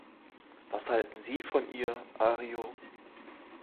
Was halten Sie von ihr, Ario?